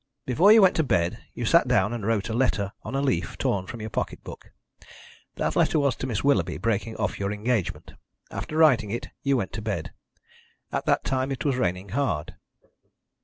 Before you went to bed you sat down and wrote a letter on a leaf torn from your pocket book. That letter was to Miss Willoughby, breaking off your engagement. After writing it you went to bed. At that time it was raining hard.